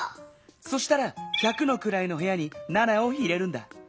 そしたら百のくらいのへやに７を入れるんだ。